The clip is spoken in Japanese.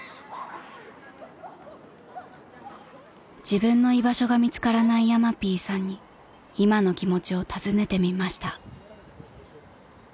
［自分の居場所が見つからないヤマピーさんに今の気持ちを尋ねてみました］